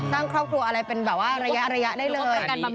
สร้างครอบครัวอะไรเป็นระยะได้เลย